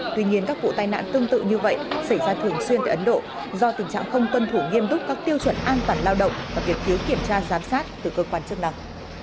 tuy nhiên các vụ tai nạn tương tự như vậy xảy ra thường xuyên tại ấn độ do tình trạng không tuân thủ nghiêm túc các tiêu chuẩn an toàn lao động và việc thiếu kiểm tra giám sát từ cơ quan chức năng